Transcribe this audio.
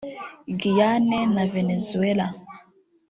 Guiyane na Venezuela